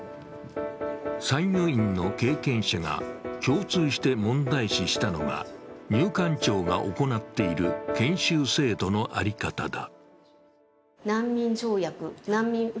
参与員の経験者が共通して問題視したのが入管庁が行っている研修制度の在り方だ。